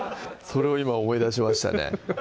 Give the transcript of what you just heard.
それを今思い出しましたね